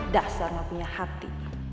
dasar mah punya hati